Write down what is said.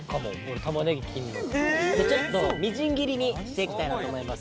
みじん切りにしていきたいなと思います。